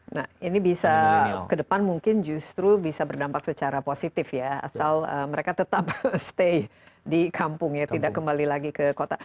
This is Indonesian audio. nah ini bisa ke depan mungkin justru bisa berdampak secara positif ya asal mereka tetap stay di kampung ya tidak kembali lagi ke kota